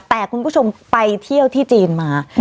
แต่คุณผู้ชมไปเที่ยวที่จีนมา